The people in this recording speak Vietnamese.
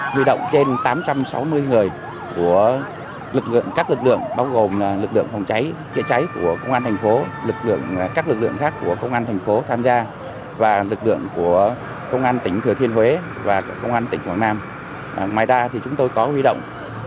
nghị động trên tám trăm sáu mươi người của các lực lượng bao gồm lực lượng phòng cháy chữa cháy của công an thành phố các lực lượng khác của công an thành phố tham gia và lực lượng của công an tỉnh thừa thiên huế và công an phòng thống